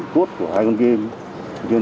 code của hai con game